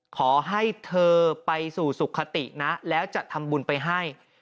ขอให้เธอไปสู่สุขตินะแล้วจะทำบุญไปให้